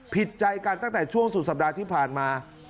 ผิดใจกันตั้งแต่ช่วงสุดสัปดาห์ที่ผ่านมา